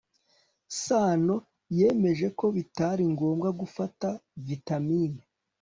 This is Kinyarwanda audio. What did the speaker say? sano yemeje ko bitari ngombwa gufata vitamine